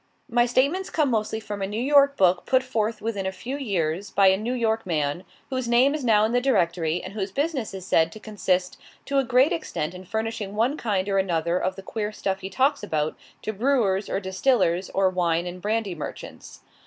My statements come mostly from a New York book put forth within a few years by a New York man, whose name is now in the Directory, and whose business is said to consist to a great extent in furnishing one kind or another of the queer stuff he talks about, to brewers, or distillers, or wine and brandy merchants.